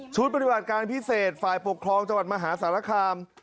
ชุดบริหวัดการพิเศษฝ่ายปกครองจังหวัดมหาสารคาม